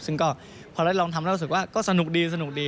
ซึ่งก็พอเราก็ลองทำแล้วรู้สึกว่าก็สนุกดี